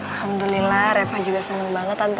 alhamdulillah reva juga seneng banget tante